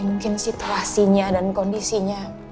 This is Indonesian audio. mungkin situasinya dan kondisinya